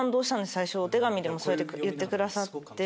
最初お手紙でも言ってくださって。